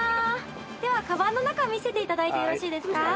ではかばんの中見せていただいてよろしいですか？